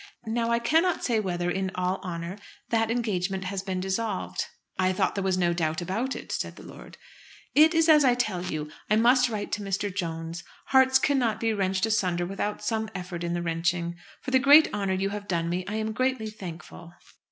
Now, I cannot say whether, in all honour, that engagement has been dissolved." "I thought there was no doubt about it," said the lord. "It is as I tell you. I must write to Mr. Jones. Hearts cannot be wrenched asunder without some effort in the wrenching. For the great honour you have done me I am greatly thankful."